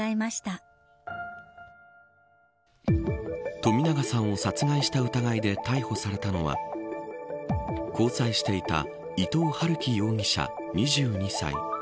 冨永さんを殺害した疑いで逮捕されたのは交際していた伊藤龍稀容疑者２２歳。